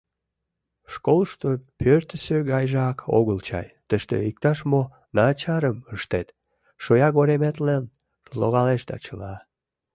Школышто пӧртысӧ гайжак огыл чай: тыште иктаж-мо начарым ыштет, шоягореметлан логалеш да чыла.